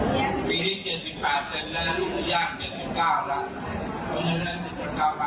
ทุกคนรักษาสุขภาพไว้แล้วก็รักไข้กันไว้อย่างเงี้ยครับ